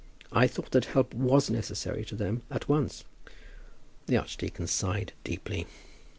I thought that help was necessary to them at once." The archdeacon sighed deeply.